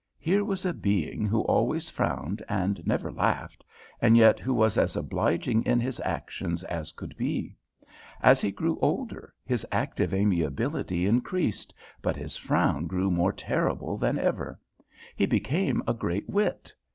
Here was a being who always frowned and never laughed, and yet who was as obliging in his actions as could be. As he grew older his active amiability increased, but his frown grew more terrible than ever. He became a great wit.